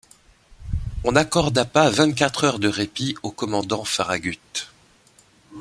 On n’accorda pas vingt-quatre heures de répit au commandant Farragut.